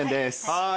はい。